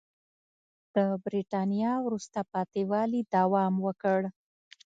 د برېټانیا وروسته پاتې والي دوام وکړ.